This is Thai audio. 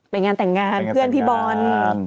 ไปงานแต่งงานเพื่อนพี่บอล